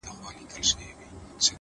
هره تېروتنه د پوهې بیه ده؛